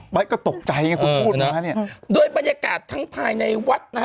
บั๊ยก็ตกใจนะคุณพูดมานี่เออโดยบรรยากาศทั้งภายในวัดนะฮะ